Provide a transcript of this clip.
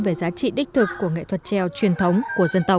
về giá trị đích thực của nghệ thuật trèo truyền thống của dân tộc